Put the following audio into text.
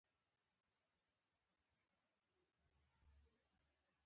ارزښت او اخلاق